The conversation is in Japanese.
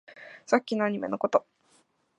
さっきのアニメのこと